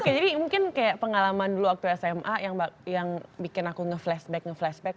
oke jadi mungkin kayak pengalaman dulu waktu sma yang bikin aku nge flashback nge flashback